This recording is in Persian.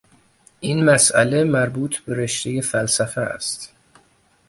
این مسئله مربوطه به رشتهی فلسفه است.